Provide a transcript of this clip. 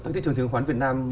thị trường chứng khoán việt nam